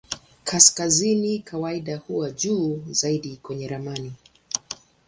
Kaskazini kawaida huwa juu zaidi kwenye ramani.